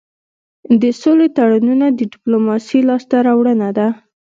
د سولې تړونونه د ډيپلوماسی لاسته راوړنه ده.